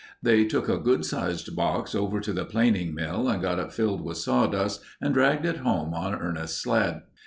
They took a good sized box over to the planing mill and got it filled with sawdust, and dragged it home on Ernest's sled.